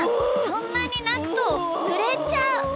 そんなになくとぬれちゃう。